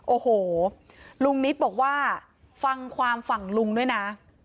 โอ้โหลุงนิดบอกว่าฟังความฝั่งลุงด้วยนะ